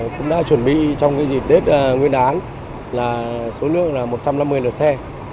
cũng đã chuẩn bị trong dịp tết nguyên đán số lượng là một trăm năm mươi lực xe